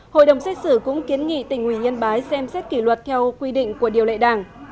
hội đồng xét xử cũng kiến nghị tỉnh ủy yên bái xem xét kỷ luật theo quy định của điều lệ đảng